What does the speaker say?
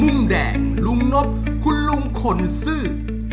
มุมแดงลุงนบคุณลุงขนซื่อ